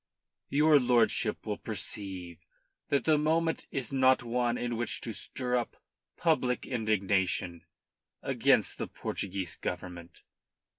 Your lordship will perceive that the moment is not one in which to stir up public indignation against the Portuguese Government.